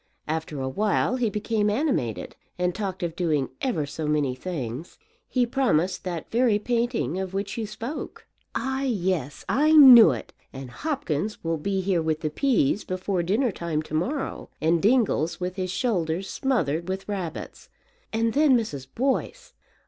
After a while he became animated, and talked of doing ever so many things. He promised that very painting of which you spoke." "Ah, yes, I knew it; and Hopkins will be here with the peas before dinner time to morrow, and Dingles with his shoulders smothered with rabbits. And then Mrs. Boyce!